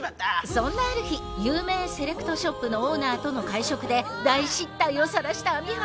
そんなある日有名セレクトショップのオーナーとの会食で大失態をさらした網浜。